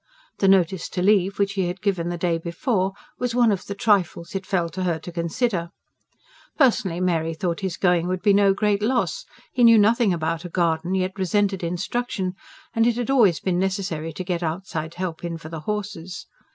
The notice to leave, which he had given the day before, was one of the "trifles" it fell to her to consider. Personally Mary thought his going would be no great loss: he knew nothing about a garden, yet resented instruction; and it had always been necessary to get outside help in for the horses.